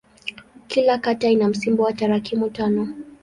Kila kata ina msimbo wa tarakimu tano.